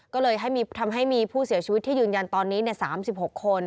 ก็เลยทำให้มีผู้เสียชีวิตที่ยืนยันตอนนี้๓๖คน